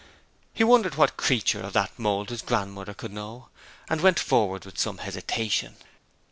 He wondered what creature of that mould his grandmother could know, and went forward with some hesitation.